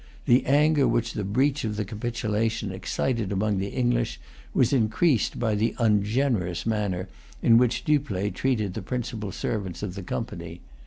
The anger which the breach of the capitulation excited among the English was increased by the ungenerous manner in which Dupleix treated the principal servants of the Company.